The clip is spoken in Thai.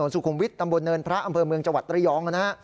สุขุมวิทย์ตำบลเนินพระอำเภอเมืองจังหวัดระยองนะฮะ